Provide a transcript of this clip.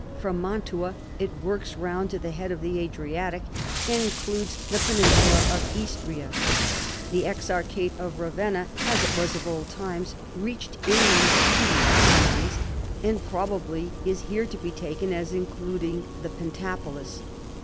From Mantua it works round to the head of the Adriatic and includes the peninsula of Istria. The exarchate of Ravenna, " as it was of old time," reached inland to the Apen nines and probably is here to be taken as including the Pentapolis.